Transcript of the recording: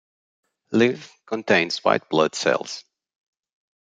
Lymph contains white blood cells.